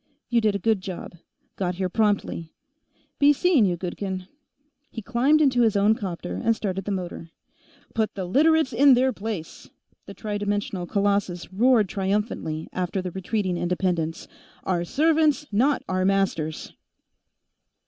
You did a good job; got here promptly. Be seeing you, Goodkin." He climbed into his own 'copter and started the motor. "Put the Literates in their place!" the tri dimensional colossus roared triumphantly after the retreating Independents. "_Our servants, not our masters!